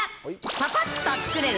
パパッと作れる！